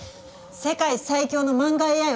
世界最強の漫画ＡＩを開発する。